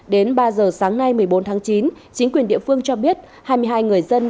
đến ba giờ sáng nay một mươi bốn tháng chín chính quyền địa phương cho biết hai mươi hai người dân